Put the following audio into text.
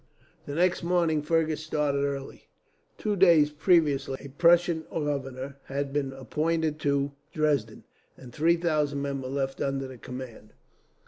The next morning Fergus started early. Two days previously, a Prussian governor had been appointed to Dresden, and three thousand men were left under his command.